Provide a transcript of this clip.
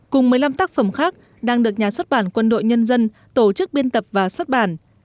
cùng một mươi năm tác phẩm khác đang được nhà xuất bản quân đội nhân dân tổ chức biên tập và xuất bản